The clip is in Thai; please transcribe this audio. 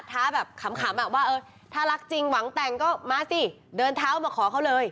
แบบขำว่าเออถ้ารักจริงหวังแต่งก็มาสิเดินเท้ามาขอเขาเลย